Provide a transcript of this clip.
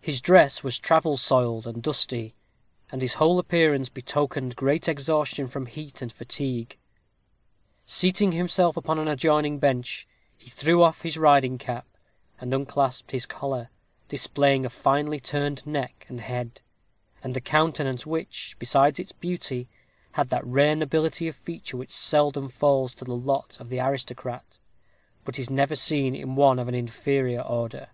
His dress was travel soiled, and dusty; and his whole appearance betokened great exhaustion from heat and fatigue. Seating himself upon an adjoining bench, he threw off his riding cap, and unclasped his collar, displaying a finely turned head and neck; and a countenance which, besides its beauty, had that rare nobility of feature which seldom falls to the lot of the aristocrat, but is never seen in one of an inferior order.